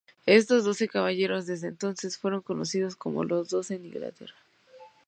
Estos doce caballeros, desde entonces, fueron conocidos como Los Doce de Inglaterra.